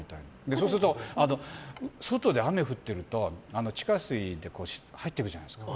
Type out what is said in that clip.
そうすると外で雨降ってると地下水が入ってくるじゃないですか。